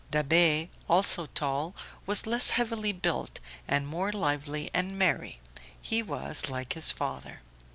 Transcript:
Da'Be, also tall, was less heavily built and more lively and merry. He was like his father.